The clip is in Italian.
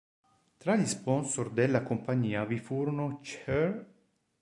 Tra gli sponsor della compagnia vi furono Chr.